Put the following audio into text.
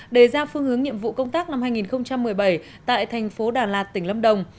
đề ra phương hướng nhiệm vụ công tác năm hai nghìn một mươi bảy tại thành phố đà lạt tỉnh lâm đồng